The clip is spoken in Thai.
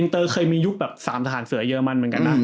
อินเตอร์เคยมียุคแบบสามสถานเสือเยอรมันเหมือนกันนะ